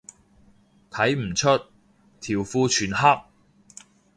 睇唔出，條褲全黑